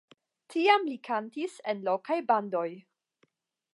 Tiam li kantis en lokaj bandoj.